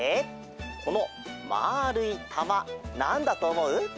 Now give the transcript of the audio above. このまるいたまなんだとおもう？